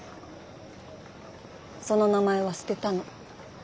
その名前は捨てたの。